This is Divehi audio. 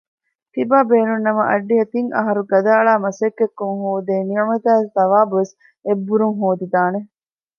ތިބާބޭނުންނަމަ އައްޑިހަ ތިން އަހަރު ގަދައަޅާ މަސައްކަތްކޮށް ހޯދޭ ނިޢުމަތާއި ޘަވާބުވެސް އެއްބުރުން ހޯދިދާނެ